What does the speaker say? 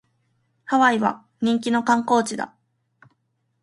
ハワイは人気の観光地だ